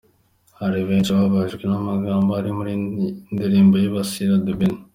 Hari benshi bababajwe n’amagambo ari muri iyi ndirimbo yibasira The Ben.